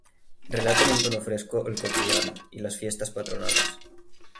Relata en un tono fresco el cotidiano y las fiestas patronales.